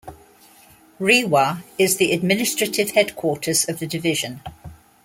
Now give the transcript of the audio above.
Rewa is the administrative headquarters of the division.